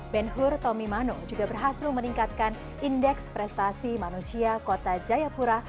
ben hur tommy mano juga berhasil meningkatkan indeks prestasi manusia kota jayapura